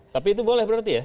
tapi itu boleh berarti ya